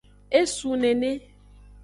Esun nene.